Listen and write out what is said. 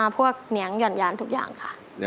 พวกเลี้ยงหย่อนยานทุกอย่างค่ะ